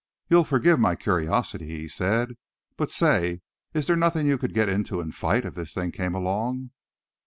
"You'll forgive my curiosity," he said, "but say, is there nothing you could get into and fight if this thing came along?"